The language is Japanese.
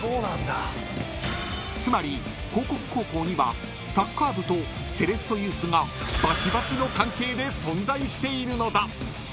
［つまり興國高校にはサッカー部とセレッソユースがバチバチの関係で存在しているのだ］